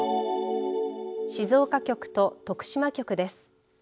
静岡局と徳島局です。